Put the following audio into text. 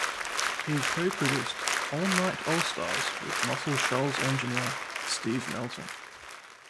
He co-produced "Allnight Allstars" with Muscle Shoals engineer Steve Melton.